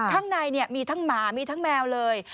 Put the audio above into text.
ข้างในมีทั้งหมามีทั้งแมวเลย